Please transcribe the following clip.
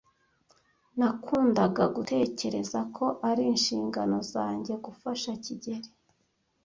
Nakundaga gutekereza ko ari inshingano zanjye gufasha kigeli.